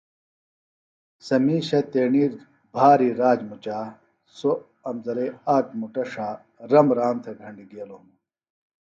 سےۡ میشہ تیݨی بھاری راج مُچا سوۡ امزرئیۡ آک مُٹہ ݜا رمرام تھےۡ گھنڈیۡ گیلوۡ ہِنوۡ